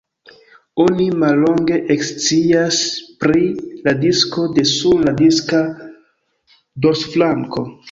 Oni mallonge ekscias pri la disko de sur la diska dorsflanko.